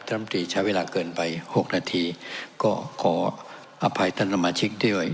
รัฐมนตรีใช้เวลาเกินไป๖นาทีก็ขออภัยท่านสมาชิกด้วย